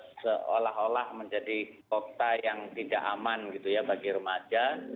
seolah olah menjadi kota yang tidak aman gitu ya bagi remaja